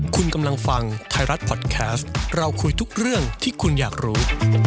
คุณกำลังฟังไทยรัฐพอดแคสต์เราคุยทุกเรื่องที่คุณอยากรู้